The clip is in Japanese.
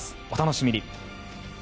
お楽しみに。